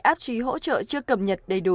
áp chi hỗ trợ chưa cập nhật đầy đủ